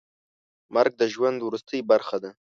مرګ د ژوند وروستۍ خبره ده.